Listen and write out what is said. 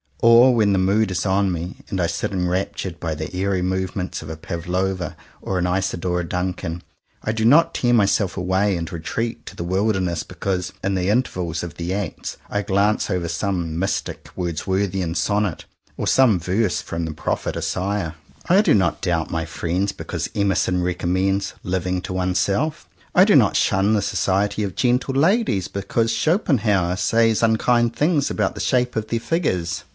Or when the mood is on me and I sit enraptured by the airy movements of a Pavlowa or an Isadora Duncan, I do not tear myself away and retreat to the wilderness because, in the intervals of the acts, I glance over some mystic Wordsworthian sonnet, or some verse from the Prophet Isaiah. I do not doubt my friends because Emer son recommends "living to oneself." I do not shun the society of gentle ladies because Schopenhauer says unkind things about the shape of their figures.